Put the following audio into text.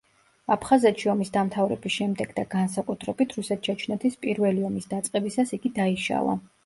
აფხაზეთში ომის დამთავრების შემდეგ და განსაკუთრებით, რუსეთ-ჩეჩნეთის პირველი ომის დაწყებისას იგი დაიშალა.